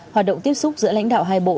họa động tiếp xúc giữa lãnh đạo hai bộ